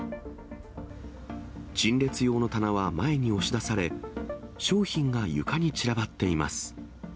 陳列用の棚は前に押し出され、商品が床に散らばっています。